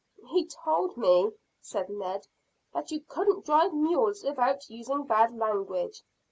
"He told me," said Ned, "that you couldn't drive mules without using bad language.